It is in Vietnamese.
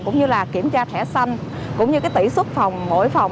cũng như kiểm tra thẻ xanh cũng như tỷ xuất phòng mỗi phòng